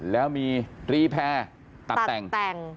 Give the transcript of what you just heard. แล้วมีรีแพร่ตัดแต่ง